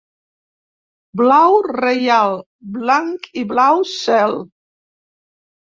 Blau reial, blanc i blau cel.